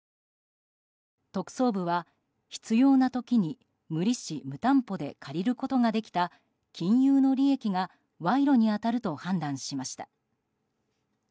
特捜部は必要な時に無利子・無担保で借りることができた金融の利益が賄賂に当たると判断しました。